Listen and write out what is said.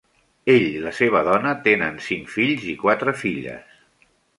Ell i la seva dona tenen cinc fills i quatre filles.